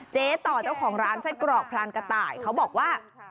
ต่อเจ้าของร้านไส้กรอกพรานกระต่ายเขาบอกว่า